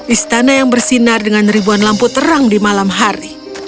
istana yang bersinar dengan ribuan lampu terang di malam hari